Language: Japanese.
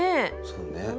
そうね。